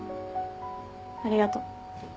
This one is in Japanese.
ありがとう。